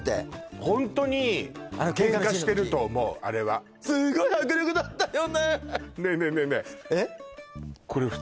ホントに喧嘩してると思うあれはすごい迫力だったよねねえねえねえね